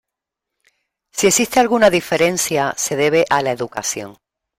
Si existe alguna diferencia se debe a la educación.